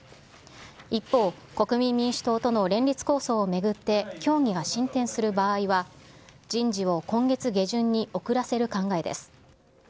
一方、国民民主党との連立構想を巡って、協議が進展する場合は、人事を今月下旬に遅らせる考えです。